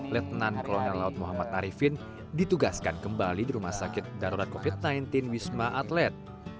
letnan kolonel laut muhammad arifin ditugaskan kembali di rumah sakit darurat covid sembilan belas wisma atlet